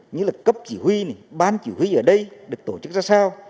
như là cấp chỉ huy này ban chỉ huy ở đây được tổ chức ra sao